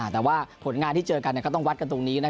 แต่ว่าผลงานที่เจอกันก็ต้องวัดกันตรงนี้